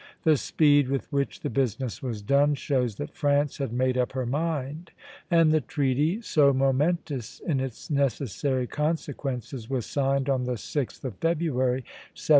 The speed with which the business was done shows that France had made up her mind; and the treaty, so momentous in its necessary consequences, was signed on the 6th of February, 1778.